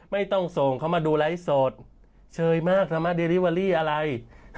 ไม่ต้องส่งเขามาดูไลฟ์สดเชยมากธรรมะเดลิเวอรี่อะไร